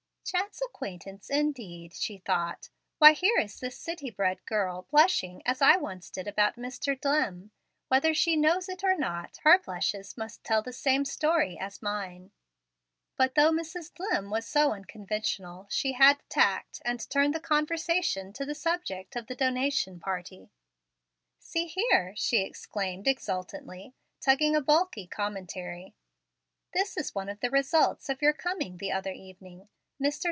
"Chance acquaintance, indeed!" she thought. "Why, here is this city bred girl blushing as I once did about Mr. Dlimm. Whether she knows it or not, her blushes must tell the same story as mine." But though Mrs. Dlimm was so unconventional, she had tact, and turned the conversation to the subject of the donation party. "See here," she exclaimed exultantly, tugging a bulky commentary; "this is one of the results of your coming the other evening. Mr.